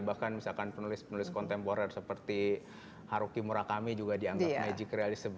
bahkan misalkan penulis penulis kontemporer seperti haruki murakami juga dianggap magic realism